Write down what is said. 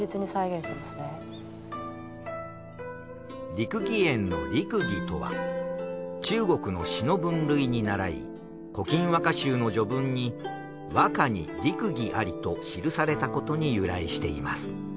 六義園の「六義」とは中国の詩の分類にならい『古今和歌集』の序文に「和歌に六義あり」と記されたことに由来しています。